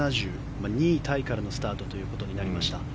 ２位タイからのスタートとなりました。